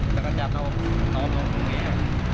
แต่กระจาบน้องน้องน้องตรงนี้